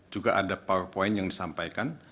juga ada powerpoint yang disampaikan